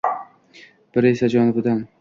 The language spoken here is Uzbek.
Biri esa — jovidon.